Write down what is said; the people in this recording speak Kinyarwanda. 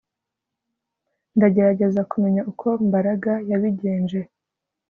Ndagerageza kumenya uko Mbaraga yabigenje